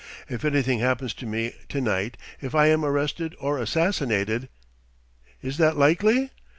If anything happens to me tonight, if I am arrested or assassinated " "Is that likely?"